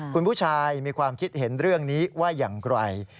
คุณผู้ชายมีความคิดเห็นเรื่องนี้ว่าอย่างไร